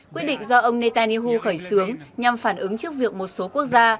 quyết định do ông netanyahu khởi xướng nhằm phản ứng trước việc một số quốc gia